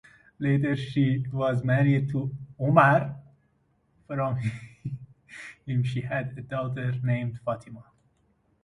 Later she was married to Umar, from him she had a daughter named Fatimah.